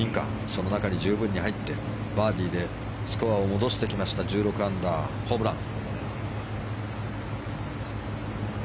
その中に十分に入ってバーディーでスコアを戻してきました１６アンダー、ホブラン。